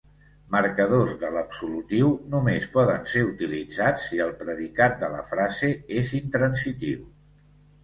Marcadors de l'absolutiu només poden ser utilitzats si el predicat de la frase és intransitiu.